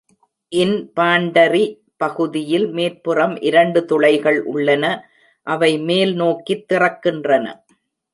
இன்பாண்டரி பகுதியில் மேற்புறம் இரண்டு துளைகள் உள்ளன, அவை மேல்நோக்கித் திறக்கின்றன.